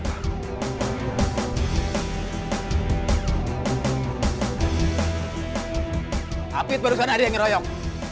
tapi baru sana ada yang ngeroyok